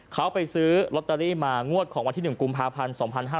เขาไปซื้อลอตเตอรี่มางวดของวันที่๑กุมภาพันธ์๒๕๕๙